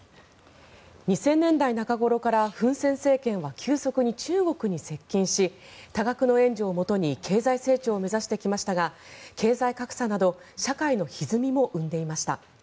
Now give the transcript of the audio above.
２０００年代中ごろからフン・セン政権は急速に中国に接近し多額の援助をもとに経済成長を目指してきましたが経済格差など社会のひずみも生んでいました。